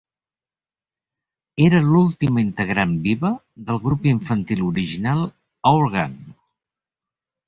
Era l'última integrant viva del grup infantil original "Our Gang".